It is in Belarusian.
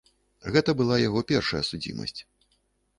Гэта была яго першая судзімасць.